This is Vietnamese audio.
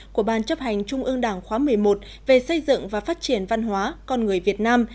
của ban chấp hành trung ương đảng khóa một mươi một về xây dựng và phát triển văn hóa con người việt nam